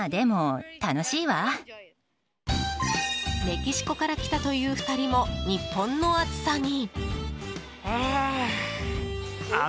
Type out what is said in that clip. メキシコから来たという２人も日本の暑さに。